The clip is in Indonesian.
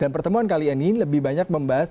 dan pertemuan kali ini lebih banyak membahas